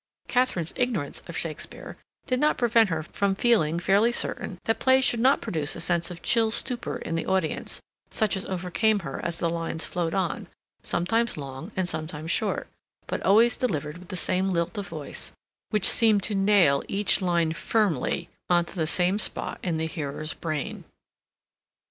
Katharine's ignorance of Shakespeare did not prevent her from feeling fairly certain that plays should not produce a sense of chill stupor in the audience, such as overcame her as the lines flowed on, sometimes long and sometimes short, but always delivered with the same lilt of voice, which seemed to nail each line firmly on to the same spot in the hearer's brain.